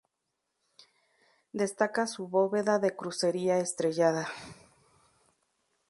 Destaca su bóveda de crucería estrellada.